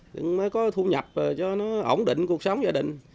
để có thu nhập cho nó ổn định cuộc sống gia đình